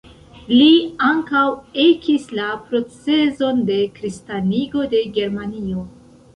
Li ankaŭ ekis la procezon de kristanigo de Germanio.